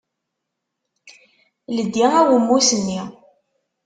Ldi awemmus-nni.